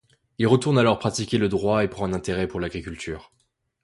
Il retourne alors pratiquer le droit et prend un intérêt pour l'agriculture.